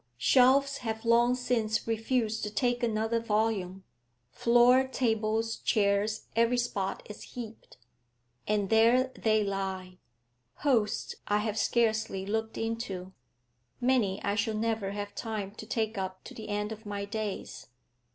Shelves have long since refused to take another volume; floor, tables, chairs, every spot is heaped. And there they lie; hosts I have scarcely looked into, many I shall never have time to take up to the end of my days.'